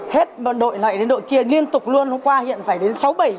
hết đội lại đến đội kia liên tục luôn hôm qua hiện phải đến sáu bảy